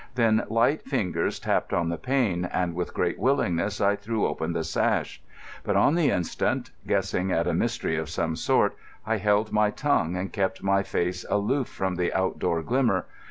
Then light fingers tapped on the pane, and with great willingness I threw open the sash. But on the instant, guessing at a mystery of some sort, I held my tongue and kept my face aloof from the outdoor glimmer.